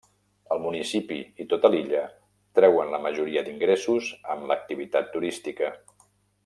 El municipi i tota l'illa treuen la majoria d'ingressos amb l'activitat turística.